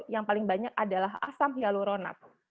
yang paling banyak adalah asam hyaluronat